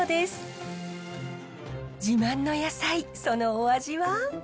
自慢の野菜そのお味は？